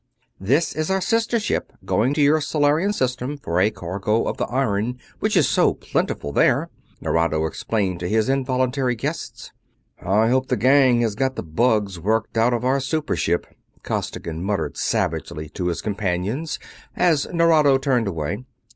"This is our sister ship going to your Solarian system for a cargo of the iron which is so plentiful there," Nerado explained to his involuntary guests. "I hope the gang has got the bugs worked out of our super ship!" Costigan muttered savagely to his companions as Nerado turned away.